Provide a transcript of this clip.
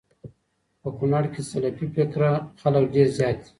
په کونړ کي سلفي فکره خلک ډير زيات دي